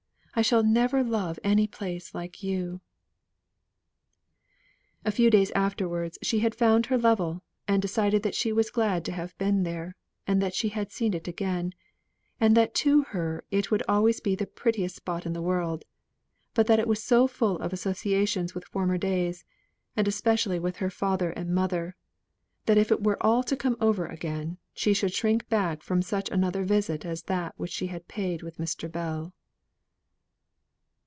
I shall never love any place like you." A few days afterwards, she had found her level, and decided that she was very glad to have been there, and that she had seen it again, and that to her it would always be the prettiest spot in the world, but that it was so full of associations with former days, and especially with her father and mother, that if it were all to come over again, she should shrink back from such another visit as that which she had paid with Mr. Bell.